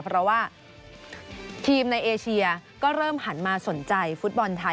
เพราะว่าทีมในเอเชียก็เริ่มหันมาสนใจฟุตบอลไทย